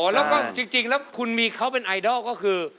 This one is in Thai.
แล้วก็จริงแล้วคุณมีเขาเป็นไอดอลก็คือ